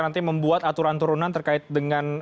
nanti membuat aturan turunan terkait dengan